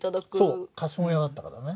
そう貸本屋だったからね。